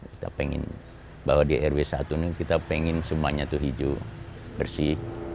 kita pengen bahwa di rw satu ini kita pengen semuanya itu hijau bersih